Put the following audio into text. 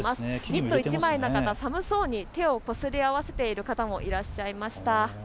ニット１枚の方、寒そうに手をこすり合わせている方もいらっしゃいました。